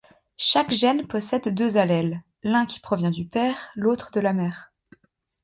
Chaque gène possède deux allèles, l’un qui provient du père, l’autre de la mère.